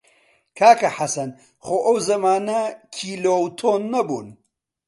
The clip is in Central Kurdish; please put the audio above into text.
کاکە حەسەن خۆ ئەو زەمانە کیلۆ و تۆن نەبوون!